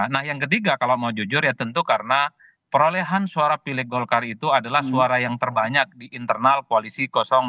nah yang ketiga kalau mau jujur ya tentu karena perolehan suara pilih golkar itu adalah suara yang terbanyak di internal koalisi dua